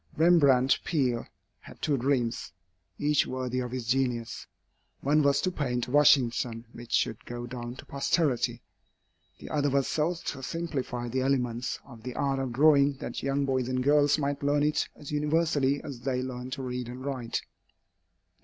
Rembrandt Peale had two dreams, each worthy of his genius. One was to paint a Washington which should go down to posterity; the other was so to simplify the elements of the art of drawing that young boys and girls might learn it as universally as they learn to read and write.